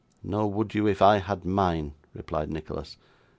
'Nor would you if I had mine,' replied Nicholas.